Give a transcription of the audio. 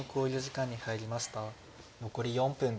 残り４分です。